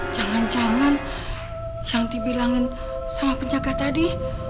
jangan jangan yang dibilangin sama penjaga tadi